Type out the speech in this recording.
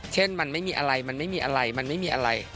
เช่นมันไม่มีอะไรมันไม่มีอะไรมันไม่มีอะไร